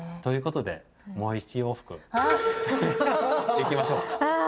いきましょう。